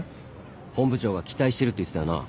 本部長が「期待してる」って言ってたよな？